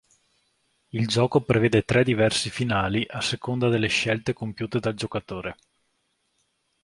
Il gioco prevede tre diversi finali a seconda delle scelte compiute dal giocatore.